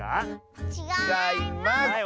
ちがいます！